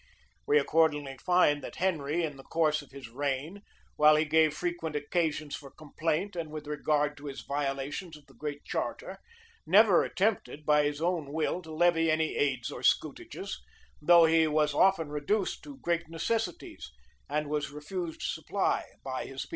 We accordingly find, that Henry, in the course of his reign, while he gave frequent occasions for complaint with regard to his violations of the Great Charter, never attempted, by his own will, to levy any aids or scutages, though he was often reduced to great necessities, and was refused supply by his people.